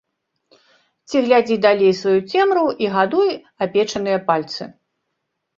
Ці глядзі далей сваю цемру і гадуй апечаныя пальцы.